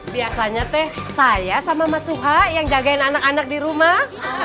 biasanya teh saya sama mas suha yang jagain anak anak di rumah